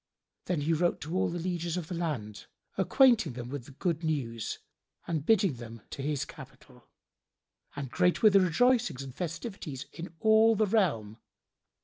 Then he wrote to all the lieges of his land, acquainting them with the good news and bidding them to his capital; and great were the rejoicings and festivities in all the realm.